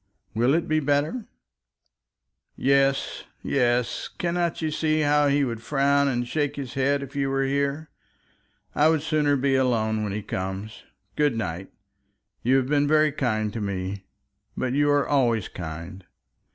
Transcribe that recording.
"Will it be better?" "Yes, yes. Cannot you see how he would frown and shake his head if you were here? I would sooner be alone when he comes. Good night. You have been very kind to me; but you are always kind.